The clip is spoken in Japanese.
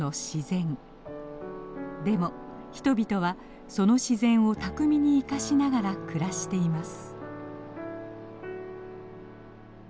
でも人々はその自然を巧みに生かしながら暮らしています。